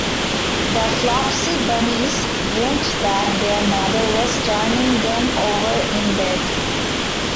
The Flopsy Bunnies dreamt that their mother was turning them over in bed.